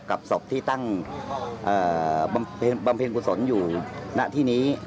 กับศพที่ตั้งอ่าบำเพลินบำเพลินกุศลอยู่ณที่นี้